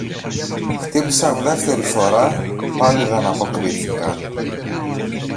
Χτύπησαν δεύτερη φορά, πάλι δεν αποκρίθηκαν.